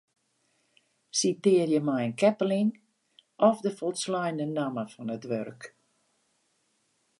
Sitearje mei in keppeling of de folsleine namme fan it wurk.